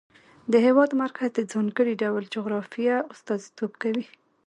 د هېواد مرکز د ځانګړي ډول جغرافیه استازیتوب کوي.